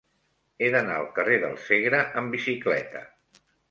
He d'anar al carrer del Segre amb bicicleta.